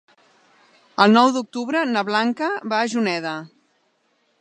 El nou d'octubre na Blanca va a Juneda.